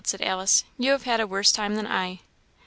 said Alice, "you have had a worse time than I."